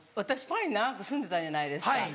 パリに長く住んでたじゃないですか。